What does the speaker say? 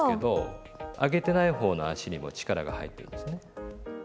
上げてない方の脚にも力が入ってるんですね。